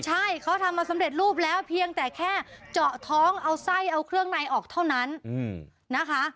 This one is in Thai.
ใช่เขาทำมาสำเร็จรูปแล้วเพียงแต่แค่เจาะท้องเอาไส้เอาเครื่องในออกเท่านั้นนะคะ